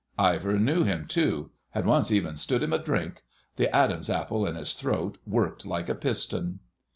Ivor knew him too, ... had once even stood him a drink.... The Adam's apple in his throat worked like a piston.